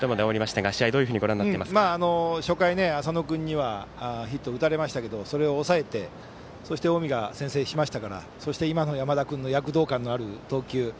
初回、浅野君にヒット打たれましたがそれを抑えて近江が先制しましたからそして、今の山田君の躍動感のある投球。